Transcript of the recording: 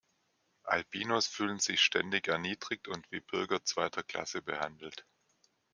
Albinos fühlen sich ständig erniedrigt und wie Bürger zweiter Klasse behandelt.